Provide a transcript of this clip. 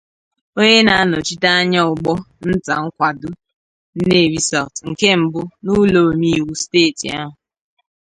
onye na-anọchite anya ọgbọ nta nkwàdo 'Nnewi South' nke mbụ n'ụlọ omeiwu steeti ahụ